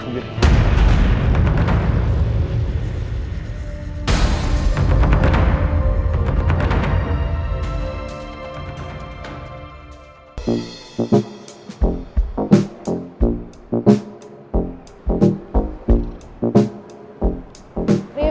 sebelum dia saling ini